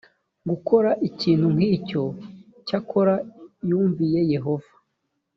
gukora ikintu nk icyo cyakora yumviye yehova